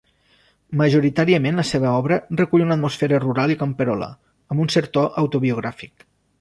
Majoritàriament la seva obra recull una atmosfera rural i camperola, amb un cert to autobiogràfic.